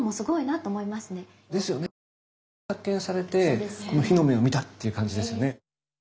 ほんと偶然発見されて日の目を見たっていう感じですよね。